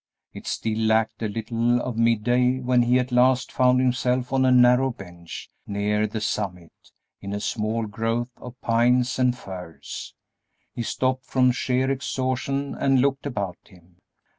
It still lacked a little of midday when he at last found himself on a narrow bench, near the summit, in a small growth of pines and firs. He stopped from sheer exhaustion and looked about him.